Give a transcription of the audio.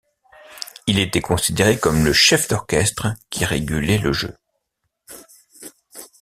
Il était considéré comme le chef d'orchestre qui régulait le jeu.